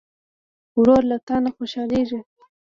ورور له تا نه خوشحالېږي.